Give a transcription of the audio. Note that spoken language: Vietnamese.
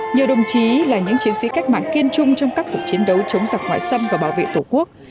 nhiều đồng chí là những chiến sĩ cách mạng kiên trung trong các cuộc chiến đấu chống giặc ngoại xâm và bảo vệ tổ quốc